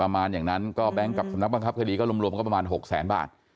ประมาณอย่างนั้นก็แบงค์กับสำนักบังคับคดีก็รวมก็ประมาณ๖แสนบาท